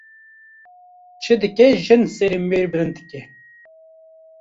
Çi dike jin serê mêr bilind dike